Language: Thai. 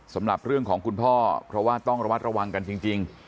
สำหรับเรื่องของคุณพ่อเพราะว่าต้องระวัดระวังกันจริง